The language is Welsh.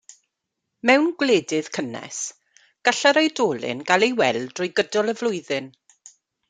Mewn gwledydd cynnes, gall yr oedolyn gael ei weld drwy gydol y flwyddyn.